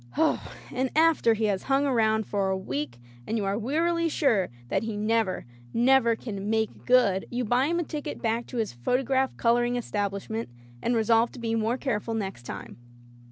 And after he has hung around for a week and you are wearily sure that he never, never can "make good," you buy him a ticket back to his photograph coloring establishment and resolve to be more careful next time.